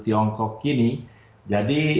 tiongkok kini jadi